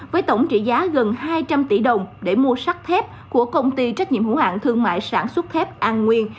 với tổng trị giá gần hai trăm linh tỷ đồng để mua sắt thép của công ty trách nhiệm hữu hạng thương mại sản xuất thép an nguyên